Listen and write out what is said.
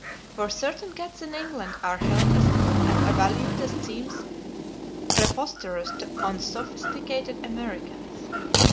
For certain cats in England are held at a value that seems preposterous to unsophisticated Americans.